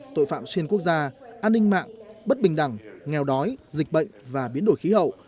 tội phạm xuyên quốc gia an ninh mạng bất bình đẳng nghèo đói dịch bệnh và biến đổi khí hậu